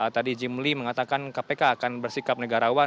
tadi jimli mengatakan kpk akan bersikap negarawan